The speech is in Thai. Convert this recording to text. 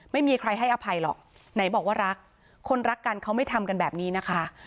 ไม่มีใครให้อภัยหรอกไหนบอกว่ารักคนรักกันเขาไม่ทำกันแบบนี้นะคะ